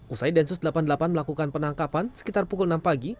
usai densus delapan puluh delapan melakukan penangkapan sekitar pukul enam pagi